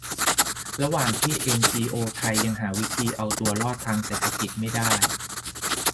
ระหว่างที่เอ็นจีโอไทยยังหาวิธีเอาตัวรอดทางเศรษฐกิจไม่ได้